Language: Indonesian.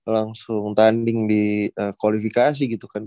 langsung tanding di kualifikasi gitu kan